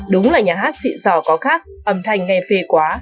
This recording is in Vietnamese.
đúng là nhà hát xịn giò có khác âm thanh nghe phê quá